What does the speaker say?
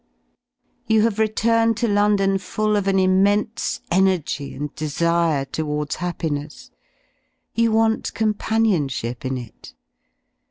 You have returned to London full of an immense energy anddesiretowards happiness. You want companion ship in it.